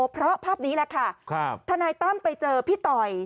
เพราะภาพนี้แหละค่ะทนายตั้มไปเจอพี่ต่อย